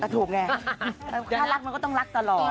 ถ้ารักมันก็ต้องรักตลอด